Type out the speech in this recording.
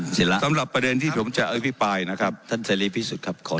ศิละสำหรับประเด็นที่ผมจะอภิปรายนะครับท่านเสรีพิสุทธิ์ครับ